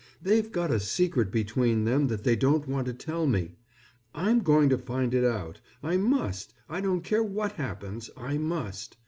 They've got a secret between them that they don't want to tell me. I'm going to find it out. I must, I don't care what happens, I must.